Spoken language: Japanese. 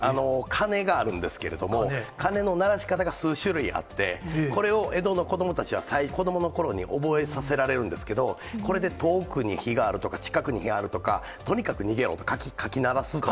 鐘があるんですけれども、鐘の鳴らし方が数種類あって、これを江戸の子どもたちは子どものころに覚えさせられるんですけど、これで遠くに火があるとか、近くに火があるとか、とにかく逃げろと、かき鳴らすとか。